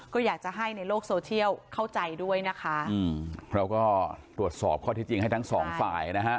ก็อยากจะให้ในโลกโซเชียลเข้าใจด้วยนะคะอืมเราก็ตรวจสอบข้อที่จริงให้ทั้งสองฝ่ายนะฮะ